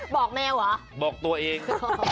แมวเหรอบอกตัวเอง